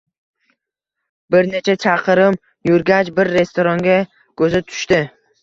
Bir necha chaqirim yurgach, bir restoranga koʻzi tushdi